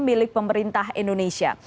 milik pemerintah indonesia